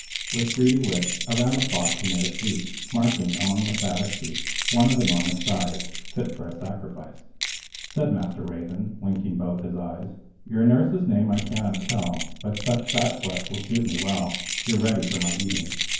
With greedy wit, Around the flock he made a sweep, Marking, among the fattest sheep, One of enormous size, Fit for a sacrifice. Said Master Raven, winking both his eyes, "Your nurse's name I cannot tell, But such fat flesh will suit me well: You're ready for my eating."